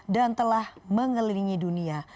dan telah mengelilingi dunia